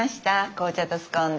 紅茶とスコーンです。